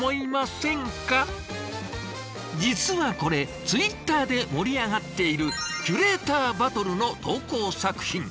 実はこれツイッターで盛り上がっている「キュレーターバトル！！」の投稿作品。